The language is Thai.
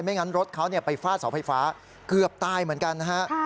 งั้นรถเขาไปฟาดเสาไฟฟ้าเกือบตายเหมือนกันนะฮะ